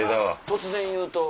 突然言うと。